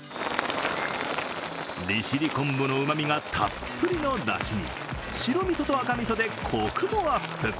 利尻昆布のうまみがたっぷりのだしに白みそと赤みそでコクもアップ。